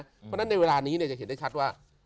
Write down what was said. เพราะฉะนั้นในเวลานี้จะเห็นได้ชัดว่า